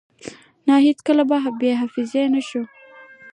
نه هیڅکله به هم بی حافظی نشو